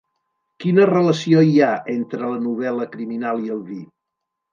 Quina relació hi ha entre la novel·la criminal i el vi?